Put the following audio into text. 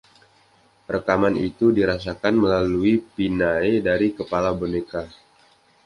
Rekaman itu dirasakan melalui pinnae dari kepala boneka.